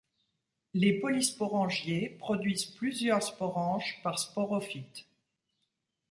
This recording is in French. Les polysporangiés produisent plusieurs sporanges par sporophyte.